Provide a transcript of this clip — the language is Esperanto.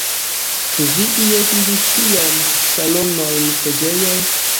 Ĉu vi ie vidis tiajn salonojn, preĝejojn?